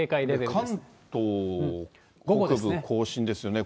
関東北部、甲信ですよね。